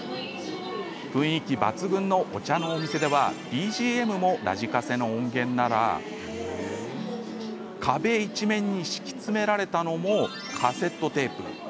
雰囲気抜群のお茶のお店ではＢＧＭもラジカセの音源なら壁一面に敷き詰められたのもカセットテープ。